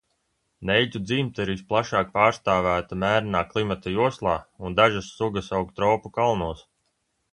Neļķu dzimta ir visplašāk pārstāvēta mērenā klimata joslā un dažas sugas aug tropu kalnos.